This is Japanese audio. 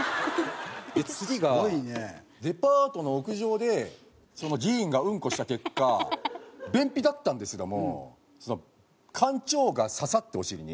次がデパートの屋上で議員がうんこした結果便秘だったんですけども浣腸がささってお尻に。